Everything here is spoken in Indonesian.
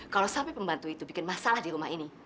kalau sampai pembantu itu bikin masalah di rumah ini